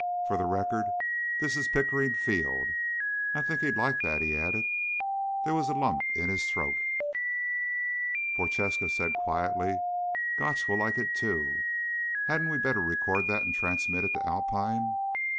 "For the record, this is Pickering Field. I think he'd like that," he added. There was a lump in his throat. Prochaska said quietly, "Gotch will like it, too. Hadn't we better record that and transmit it to Alpine?"